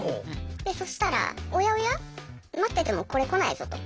でそしたら「おやおや？待っててもこれ来ないぞ」と。